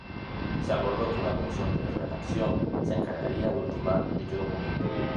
Se acordó que una comisión de redacción se encargaría de ultimar dicho documento.